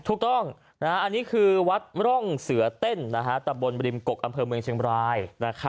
ถูกต้องอันนี้คือวัดร่องเสือเต้นตะบนบริมกกอำเภอเมืองเชียงบราย